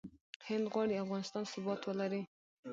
هند غواړي افغانستان ثبات ولري.